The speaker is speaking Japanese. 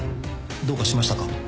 どうかしましたか？